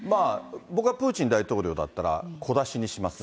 僕はプーチン大統領だったら、小出しにしますね。